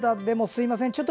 でも、すみません